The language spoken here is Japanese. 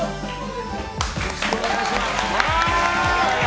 よろしくお願いします。